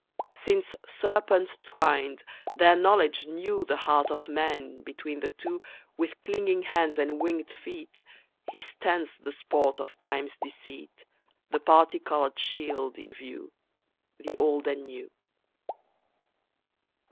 Since, serpent twined, their knowledge knew The heart of man, between the two, With clinging hands and winged feet He stands the sport of Time's deceit, The parti coloured shield in view— The Old and New.